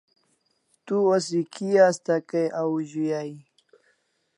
Tu osi kia asta kay au zui ai?